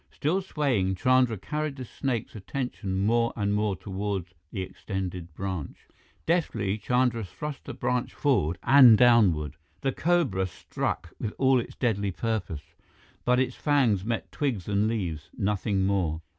Still swaying, Chandra carried the snake's attention more and more toward the extended branch. Deftly, Chandra thrust the branch forward and downward. The cobra struck with all its deadly purpose, but its fangs met twigs and leaves, nothing more.